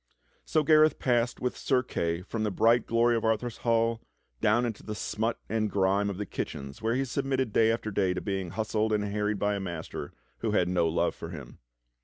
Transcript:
So Gareth passed with Sir Kay from the bright glory of Arthur's hall down into the smut and grime of the kitchens where he submitted day after day to being hustled and harried by a master who had no love* for him.